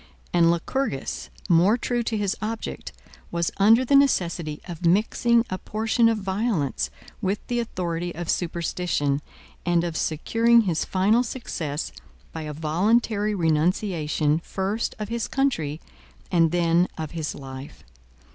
And Lycurgus, more true to his object, was under the necessity of mixing a portion of violence with the authority of superstition, and of securing his final success by a voluntary renunciation, first of his country, and then of his life.